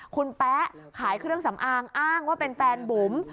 คุณแป๊ะขายเครื่องสำอางอ้างว่าเป็นแฟนบุ๋ม